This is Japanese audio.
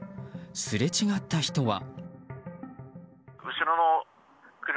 すれ違った人は。